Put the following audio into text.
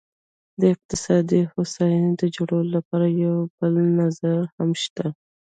د اقتصادي هوساینې د جوړولو لپاره یوه بله نظریه هم شته.